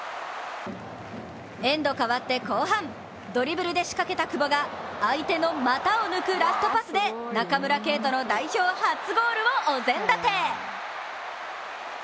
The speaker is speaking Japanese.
エンド変わって後半ドリブルで仕掛けた久保が相手の股を抜くラストパスで中村敬斗の代表初ゴールをお膳立て。